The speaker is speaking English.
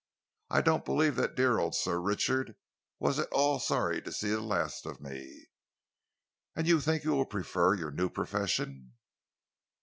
I don't believe that dear old Sir Richard was at all sorry to see the last of me." "And you think you will prefer your new profession?"